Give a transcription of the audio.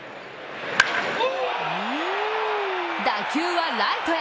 打球はライトへ！